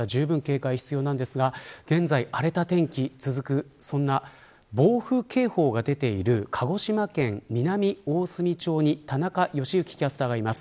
本当に九州、沖縄地方の方々じゅうぶん警戒が必要なんですが現在、荒れた天気が続く暴風警報が出ている鹿児島県南大隅町に田中良幸キャスターがいます。